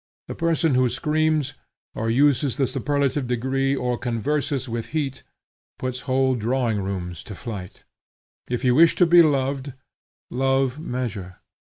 The person who screams, or uses the superlative degree, or converses with heat, puts whole drawing rooms to flight. If you wish to be loved, love measure.